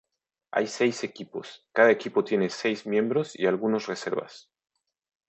Hay seis equipos, cada equipo tiene seis miembros y algunos reservas.